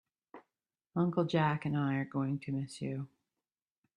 Uncle Jack and I are going to miss you.